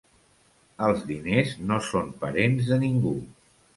Els diners no són parents de ningú.